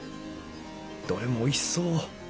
どれもおいしそう。